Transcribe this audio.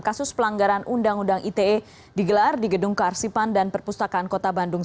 kasus pelanggaran undang undang ite digelar di gedung kearsipan dan perpustakaan kota bandung